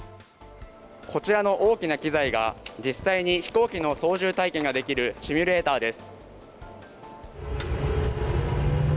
こちらの大きな機材が、実際に飛行機の操縦体験ができるシミュレーターです。